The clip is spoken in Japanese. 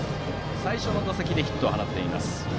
最初の打席でヒットを放っています。